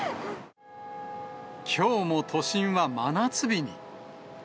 きょうも都心は真夏日に。